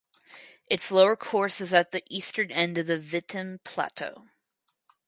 Its lower course is at the eastern end of the Vitim Plateau.